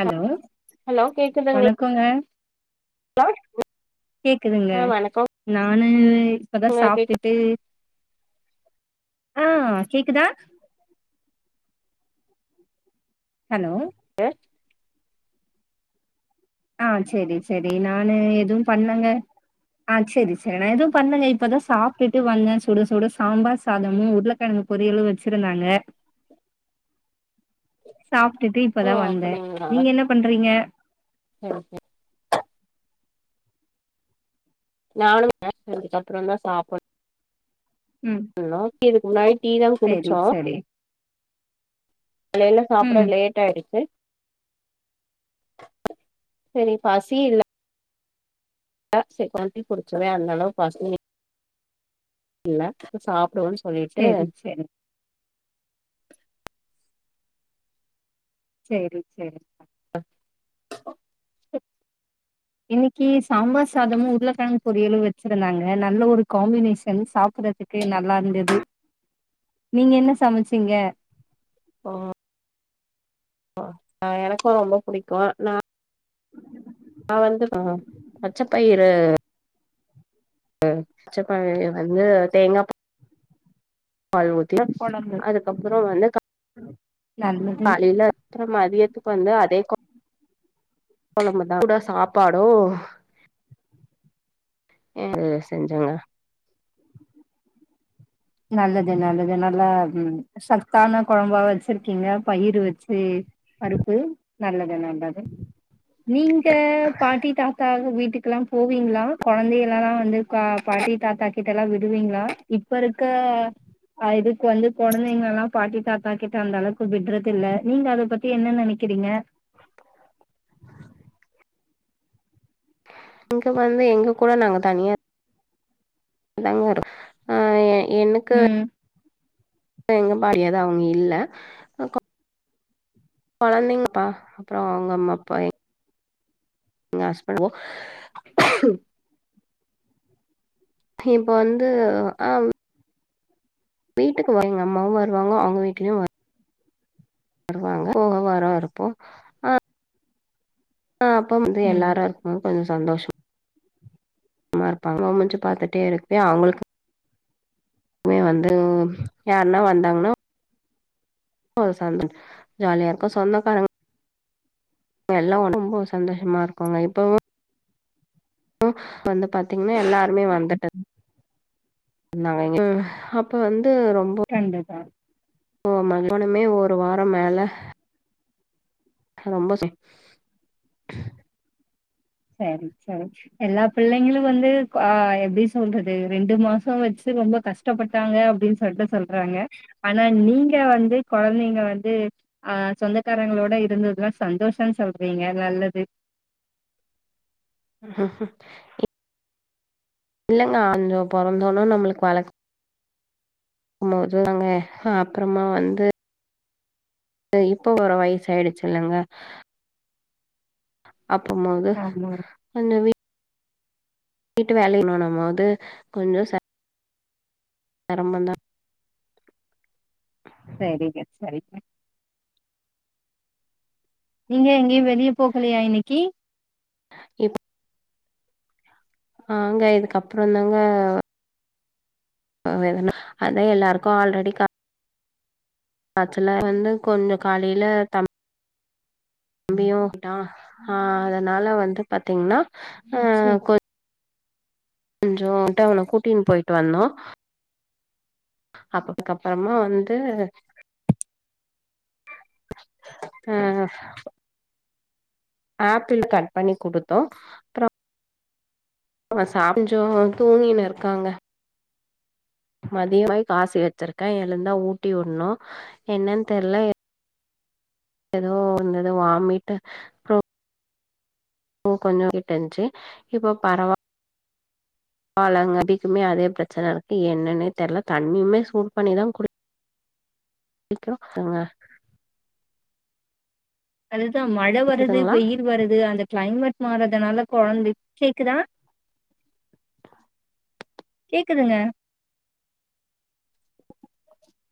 hello hello வணக்கொங்க hello [unintelligible] கேக்குதுங்க நானு இப்பதா கேக்குது சாப்ட்டுட்டு ஆ கேக்குதா ஹலோ அ ஆ செரி செரி நானு எதுவும் பண்லங்க ஆ செரி செரி நா எதுவும் பண்லேங்க இப்பதா சாப்பிட்டு வந்தே சுட சுட சாம்பார் சாதமு உருளக்கெழங்கு பொரியலு வெச்சிருந்தாங்க சாப்ட்டுட்டு இப்பதா ஓ வந்தே அப்படிங்களா நீங்க என்ன பண்றீங்க [unintelligible] நானு [unintelligible] அப்புறோந்தா சாப்பன் ம் னு இதுக்கு முன்னாடி டீ தா செரி குடிச்சோ செரி காலைல சாப்பிட ம் லேட் டாரிக்க செரி பசி இல்ல [unintelligible] டீ குடிச்சவே அந்தளவுக் பசி இல்ல அப்றோ சாப்டுவோன் செரி செரி சேரி சேரி அ இன்னைக்கி சாம்பார் சாதமு உருளக்கெழங் பொரியலு வெச்சிருந்தாங்க நல்ல ஒரு காம்பினேஷன் சாப்பிட்றதுக் கு நல்லா இருந்தது நீங்க என்ன சமச்சீங்க ஒ ஒ அ எனக்கு ரொம்ப புடிக்கு நா நா வந்து அ அ பச்சப்பயிரு அ பச்சப்பயிரு வந்து தேங்கா பால் ஊத்தி கொழம்பு அதுக்கப்பற வந்து நல்லது காலையில அப்பற மதியத்துக்கு வந்து அதே குழம்புதா சூடா சாப்பாடு ஏ செஞ்சங்க நல்லது நல்லது நல்லா சத்தான குழம்பா வச்சிருக்கீங்க பயிரு வச்சி பருப்பு நல்லது நல்லது நீங்க பாட்டி தாத்தா வீட்டுக்குல்லா போவீங்களா குழந்தைகல்லலா வந்து பாட்டி தாத்தா கிட்ட எல்லா விடுவீங்களா இப்ப இரு க்க இதுக்கு வந்து குழந்தைங்க எல்லா பாட்டி தாத்தாக்கிட்டு அந்த அளவுக்கு விடுறது இல்ல நீங்க அத பத்தி என்ன நினைக்கிறீங்க இங்க வந்து எங்க கூட நாங்க தனியா தாங்க அ எனக்கு ம் எங்க [unintelligible] அவங்க இல்ல குழந்தைங்கப்பா அப்பற அவங்க அம்மா அப்பா எங்க ஹிஸ்பன்ட் பண்வொ இப்ப வந்து ஆவ் வீட்டுக்கு வ எங்க அம்ாவும் வருாங்க அவங்க வீட்டுலயு வரு வருவாங்க போக வர இருப்போ ஆஹஹ அப்ப வந்து ம் எல்லாரு இருக்கும் அ கொஞ்ச சந்தோஷ சும்மா இருப்பாங்க குனிஞ்சு பாத்துட்டே இருக்க அவங்களுக்கு மே வந்து யாருன்னா வந்தாங்கன்னா இப்பொ சாய்ந்துரொ ஜாலியா இருக்கு சொந்தக்காரங்க எல்லா ரொம்ப சந்தோஷமா இருக்காெங்க இப்ப [unintelligible] ப்போ வந்து பாத்தீங்கன்னா எல்லாருமே வந்துட்டு ந்தாங்க எங்க வீட்டுக்கு அப்ப வந்து ரொம்ப கண்டிப்பா ஓ [unintelligible] ஒரு வார மேல ரொம்ப ச சேர் சேரி எல்லா பிள்ளைங்களு வந்து ஆ எப்டி சொல்றது ரெண்டு மாசோ வச்சு ரொம்ப கஷ் கஷ்டப்பட்டாங்க அப்டின்னு சொல்ட்டு சொல்றாங்க ஆனா நீங்க வந்து குழந்தைங்க வந்து ஆ சொந்தக்காரங்களோட இருந்ததுன்னுனா சந்தோஷனு சொல்றீங்க நல்லது இல்லங்க அங்க புறந்தோண நம்மளுக்கு வளக்க [unintelligible] இல்லங்க அ அப்றமா வந்து ந்து இப்ப ஒரு வயசு ஆயிடுச்சுல்லங்க அப்பமாெது ஆமா [unintelligible] வீட்டு வேலைகள்ள நம்ம வந்து கொஞ்சோ சிரமந்தா சரிங்க சரிங்க நீங்க எங்கயு வெளியே போகலயா இன்னிக்கு இப் அ ங்க இதுக்கப்ற தாங்க [unintelligible] அதா எல்லாருக்கு ஆல்ரெடி கா ஆச்சல வந்து கொஞ்சொ காலைல தம் பியுவன்டா ஆ அதனால வந்து பாத்தீங்ன்னா அச்சு கொஞ்சொ டவுனு கூட்டின் போயிட்டு வந்தோ அப்பதுக்கு அப்புறமா வந்து அ ஆப்பிள் கட் பண்ணி குடுத்தோ அப்றொ அவ சா ஞ்சொ தூங்கினு இருக்காங்க மதியொ காசி வெச்சிருக்க எழுந்தா ஊட்டி உடணு என்னன்னு தெர்ல எதோ வந்து எதோ வாமிட்டு கொஞ்சொ ட்டு இருந்துச்சு இப்போ பரவா ல்ல எங்கபிக்குமே அதே பிரச்சன இருக்கு எண்ணனெ தெர்ல தண்ணியுமே சூடு பண்ணிதா குடிக் க்கிறோ எங்க அதுதா மழ வருது கேக்குதுங்களா வெய்யில் வருது அந்த கிளைமேட் மாறதுனால கொழந்தைக் கேக்குதா கேக்குதுங்க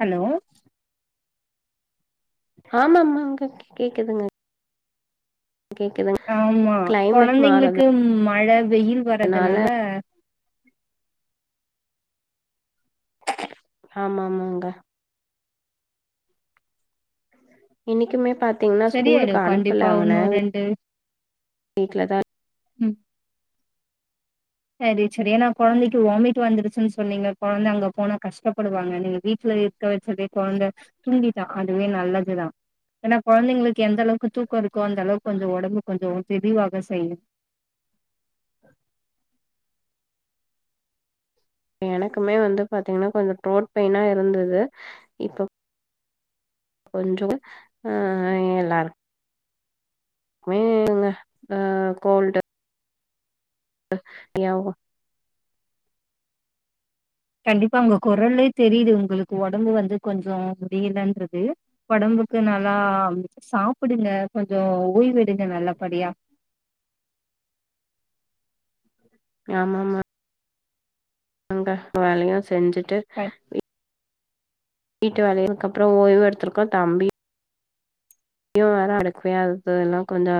ஹலோ ஆமாமாங்க கே கேக்குதுங்க கேக்குதுங் ஆமா கொழந்தைங்களுக்கு மழ வெய்யில் மாறதுனால வர்றதுனால ஆமாமாங்க இன்னிக்குமே பாத்தீங்கன்னா சரியாயிடு ஸ்கூலுக்கு அனுப்பல கண்டிப்பா அவன உன்னு வீட் ரெண்டு வீட்டுல தாருக் செரி செரி ஏனா கொழந்தைக்கு வாமிட் வந்துருச்சுன்னு சொன்னீங்க கொழந்த அங்க போனா கஷ்டப்படுவாங்க நீங்க வீட்ல இருக்க வச்சதே கொழந்த தூங்கிடா அதுவே நல்லதுதா ஏனா கொழந்தைங்களுக்கு எந்தளவுக்கு தூக்கோ இருக்கோ அந்த அளவுக்கு கொஞ்சோ உடம்பு கொஞ்சொ தெதிவாக செய்யு அ எனக்குமே வந்து பாத்தீங்கனா கொஞ்சோ த்ரோட் பெய்னா இருந்தது இப்ப கொஞ்சோ ஆ எல்லாருக் மேங்க அ கோல்டு [unintelligible] கண்டிப்பா உங்க குரலே தெரியுது உங்களுக்கு உடம்பு வந்து கொஞ்சோ முடியலன்றது உடம்புக்கு நல்லா சாப்டுங்க கொஞ்சோ ஓய்வு எடுங்க நல்லபடியா ஆமாமா ங்க வேலயு செஞ்சுட்டு க வீ வீட்டு வேலைகளுக் அப்றோ ஓய்வு எடுத்ருக்கோ தம்பி யும் வேற [unintelligible] எல்லா கொஞ்சோ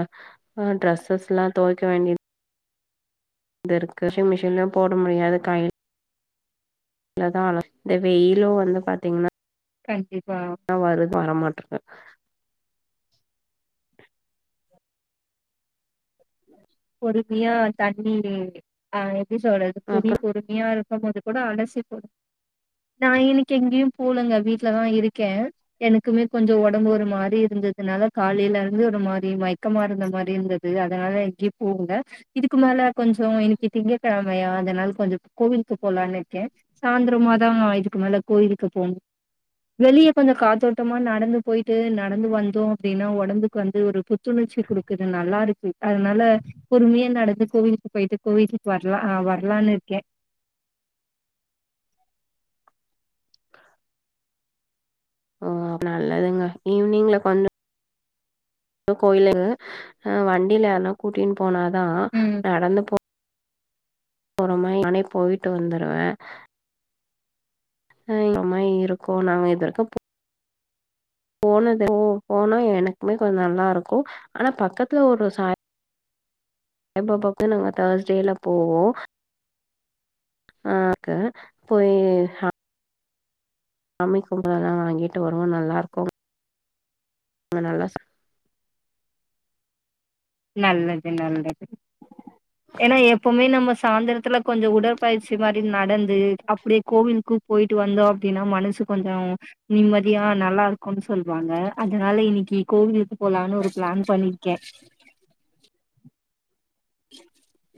ட்ரெஸ்ஸஸ்லா தொய்க்க வேண்டித் இது இருக்கு ஷிங் மிஷின்லயு போட முடியாது கை லதா அழஸ் இந்த வெயிலு வந்து பாத்தீங்னா கண்டிப்பா வருது வரமாட்ருக்கு பொறுமையா தண்ணிரே அ எப்டி சொல்றது புரி அப்புறோ பொறுமையா இருக் இருக்குபோது கூட அலசி போடு நா இன்க்கி எங்கயு போலங்க வீட்லதா இருக்கே எனக்குமே கொஞ்சோ உடம்பு ஒரு மாரி இருந்ததனால காலைல இருந்து ஒரு மாரி மயக்கமா இருந்த மாரி இருந்தது அதனால எங்கயு போகல இதுக்கு மேல கொஞ்சோ இன்னிக்கு திங்க கெழமையா அதனால கொஞ்சோ கோவிலுக்கு போலான்னு இருக்கே சாய்ந்திரமாதா இதுக்கு மேல கோயிலுக்கு போணு வெளியே கொஞ்சோ காத்தோட்டமா நடந்து போய்ட்டு நடந்து வந்தோ அப்டினா ஒடம்புக்கு வந்து ஒரு புத்துணர்ச்சி குடுக்குது நல்லா இருக்கு அதுனால பொறுமையா நடந்து கோவிலுக்கு போய்ட்டு கோவிலுக்கு வர்லா அ வர்லான்னு இருக்கே ஓ நல்லதுங்க ஈவினிங்ல கொஞ்சோ கோயிலு [unintelligible] அ வண்டியில யார்னா கூட்டிகின்னு போனாதா ம் நடந்து போ போறமாரி நானே போய்ட்டு வந்துருவே அ இந்த மாரி இருக்கு நாங்க இதுவரைக்கு போனது ஓ போனா எனக்குமே கொஞ்சோ நல்லாருக்கு ஆனா பக்கத்துல ஒரு சா ய்பாபாக்கு நாங்க தேர்ஸ்டேல போவோ ஆ க்க போய் அ சாமி கும்ட எல்லா வாங்கிட்டு வருவோ நல்லாருக்கு அங்க நல்லா சா நல்லது நல்லது ஏன்னா எப்பவுமே நம்ம சாந்ரத்துல கொஞ்சோ உடற்ப் பயிற்சி மாரி நடந்து அப்டியே கோவிலுக்கு போய்ட்டு வந்தோ அப்டினா மனசு கொஞ்சோ நிம்மதியா நல்லாருக் குனு சொல்லுவாங்க அதனால இன்னைக்கி கோவிலுக்கு போலான்னு ஒரு ப்ளான் பண்ணிருக்கே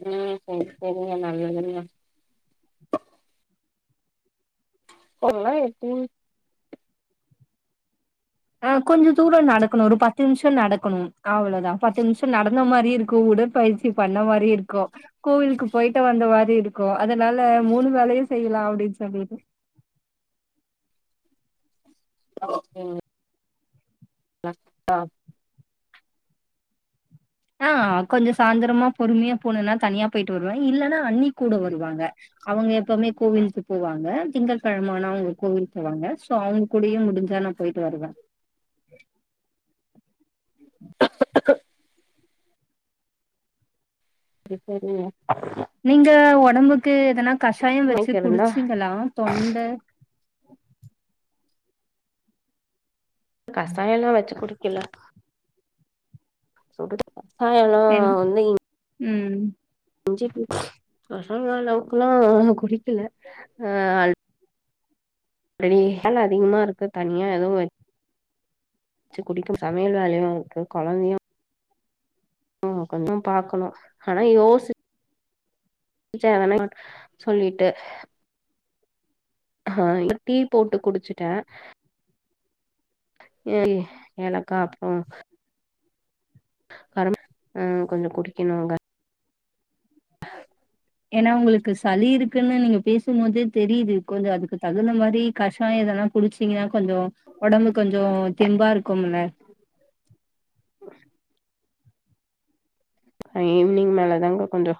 செர் செர் செரிங்க நல்லதுங்க பொருல்லா [unintelligible] ஆ கொஞ்சோ தூரோ நடக்கணு ஒரு பத்து நிம்ஷோ நடக்கணு அவ்ளோதா பத்து நிம்ஷோ நடந்த மாரியுருக்கு உடற் பயிற்சி பண்ண மாரி இருக்கு கோவிலுக்கு போய்ட்டு வந்த மாரி இருக் கு அதனால மூணு வேலயு செய்யலா அப்டின்னு சொல்லிட்டு செரிங் க ஆ அ கொஞ்சோ சாந்தரமா பொறுமையா போனென்னா தனியா போயிட்டு வருவ இல்லன்னா அண்ணி கூட வருவாங்க அவுங்க எப்போமே கோவிலுக்கு போவாங்க திங்கட்கெழம ஆனா அவுங்க கோவில் போவாங்க சோ அவுங் கூடயே முடிஞ்சாலு போயிட்டு வருவெ இப்ப இல்லியா நீங்க ஒடம்புக்கு எதனா கஷாயோ வச்சு இருந்தா குடிச்சீங்களா தொண்ட கஷாயோலா வச்சு குடிக்கல சூடுத கசாயல்லா என் வந்து இங் ம் இஞ்சி பசங்க அளவுக்குல்லா குடிக்கல அ [unintelligible] அதிகமா இருக்கு தனியா எதுவு வெச்சு குடிக்கு சமையல் வேலயோ இருக்கு கொழந்தயு ஞ்சோ கொஞ்சோ பாக்கனோ ஆனா யோசிச் டிச்சாங்கனா சொல்லிட்டு ஹாய் டீ போட்டு குடிச்சுட்டே ஏல் ஏலக்கா அப்றோ கரம் அ கொஞ்சோ குடிக்கனோங்க ஏன்னா உங்களுக்கு சளி இருக்குன்னு நீங்க பேசும் போதே தெரியுது கொஞ்சோ அதுக்கு தகுந்த மாரி கஷாயோ எதனா குடிச்சீங்கன்னா கொஞ்சோ ஒடம்பு கொஞ்சோ தெம்பா இருக்கோம்ல நா ஈவ்னிங் மேல தாங்க கொஞ்சோ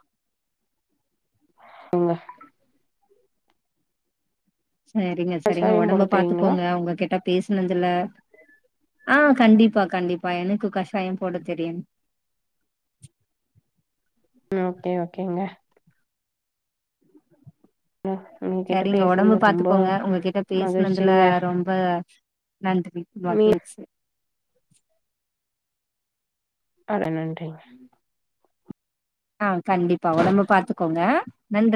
உவ்வ சரிங்க சரிங்க கசாயம் போட ஒடம்ப தெரியுங்களா பாத்துக்கோங்க உங்க கிட்ட பேசுனதுல அ கண்டிப்பா கண்டிப்பா எனக்கு கஷாயோ போட தெரியு ம் ஓகே ஓகேங்க வெக்கனு சரிங்க ஒடம்ப பாத்துக்கோங்க ஒங்ககிட்ட பேசுனதுல மகிழ்ச்சிங்க ரொம் ப்ப நன்றி மீ மகிழ்ச்சி அத நன்றிங்க அ கண்டிப்பா ஒடம்ப பாத்துக்கோங்க நன்றி